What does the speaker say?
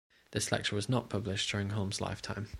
The lecture was not published during Hulme's lifetime.